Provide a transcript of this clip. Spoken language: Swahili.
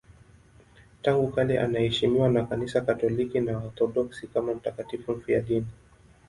Tangu kale anaheshimiwa na Kanisa Katoliki na Waorthodoksi kama mtakatifu mfiadini.